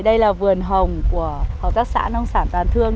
đây là vườn hồng của hợp tác xã nông sản toàn thương